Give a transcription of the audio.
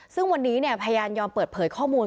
ซึ่งวันนี้พยานยอมเปิดเผยข้อมูล